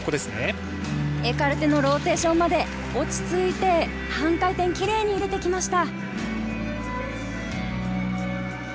エカルテのローテーションまで落ち着いて半回転、キレイに入れてきました。